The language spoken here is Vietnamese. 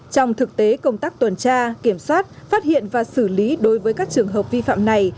trong thực tế công tác tuần tra kiểm soát phát hiện và xử lý đối với các trường hợp vi phạm này